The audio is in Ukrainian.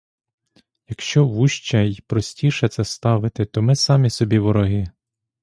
Якщо вужче й простіше це ставити, то ми самі собі вороги.